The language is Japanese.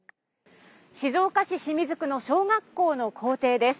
静岡市清水区の小学校の校庭です。